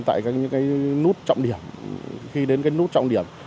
tại những nút trọng điểm